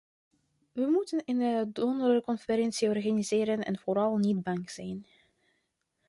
We moeten een donorconferentie organiseren en vooral niet bang zijn.